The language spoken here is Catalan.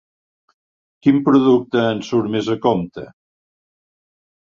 Quin producte ens surt més a compte?